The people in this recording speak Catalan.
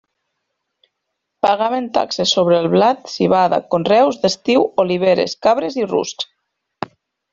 Pagaven taxes sobre el blat, civada, conreus d'estiu, oliveres, cabres i ruscs.